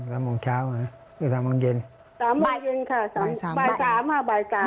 สามโมงเช้าหรอหรือสามโมงเย็นสามโมงเย็นค่ะบ่ายสามบ่ายสามค่ะ